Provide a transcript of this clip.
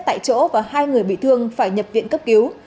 tại chỗ và hai người bị thương phải nhập viện cấp cứu